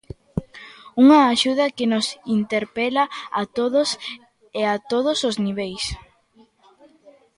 Unha axuda que nos interpela a todos, e a todos os niveis.